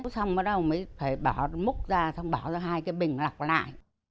xong ở đâu mới phải bỏ múc ra xong bỏ ra hai cái bình lọc lại